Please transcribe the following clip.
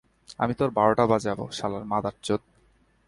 আমি তোর বারোটা বাজাবো, শালার মাদারচোত।